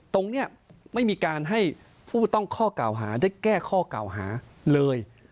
ตรงนี้ไม่มีการให้ผู้ต้องข้อกล่าวหาได้แก้ข้อกล่าวหาเลย